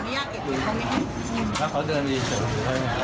อ่ะกอไม่ยอมวางพวกหนูก็ขอขอนิยาเก็บ